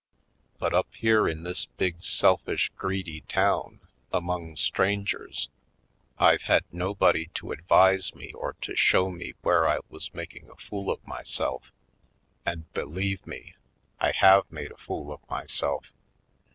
But up here in this big sel fish greedy town, among strangers, I've had 178 '/. Poindexter, Colored nobody to advise me or to show me where I was making a fool of myself. And, be lieve me, I have made a fool of myself.